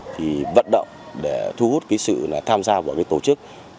thì vận động để thu hút cái sự tham gia của cái tổ chức